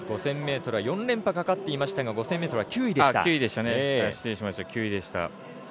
５０００ｍは４連覇がかかっていましたが５０００ｍは９位でした。